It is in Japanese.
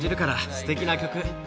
すてきな曲。